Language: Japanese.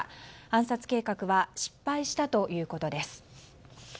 暗殺計画は失敗したということです。